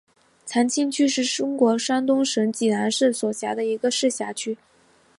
长清区是中国山东省济南市所辖的一个市辖区。